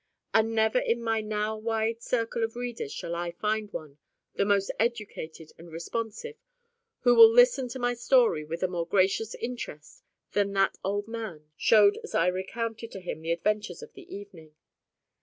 And never in my now wide circle of readers shall I find one, the most educated and responsive, who will listen to my story with a more gracious interest than that old man showed as I recounted to him the adventures of the evening.